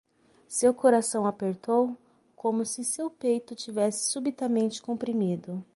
Seu coração apertou? como se seu peito tivesse subitamente comprimido.